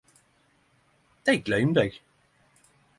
Dei gløymde eg!